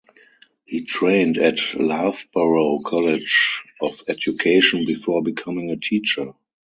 He trained at Loughborough College of Education before becoming a teacher.